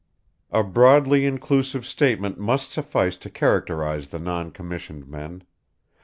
A broadly inclusive statement must suffice to characterize the non commissioned men.